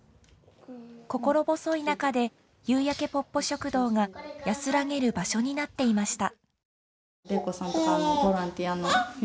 心細い中で夕焼けぽっぽ食堂が安らげる場所になっていました。